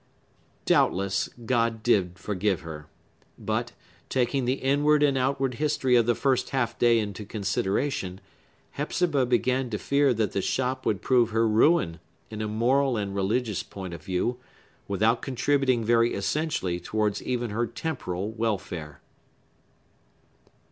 Doubtless, God did forgive her. But, taking the inward and outward history of the first half day into consideration, Hepzibah began to fear that the shop would prove her ruin in a moral and religious point of view, without contributing very essentially towards even her temporal welfare.